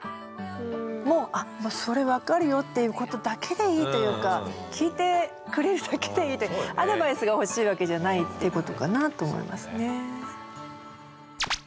もうあっそれ分かるよっていうことだけでいいというか聞いてくれるだけでいいってアドバイスが欲しいわけじゃないってことかなと思いますね。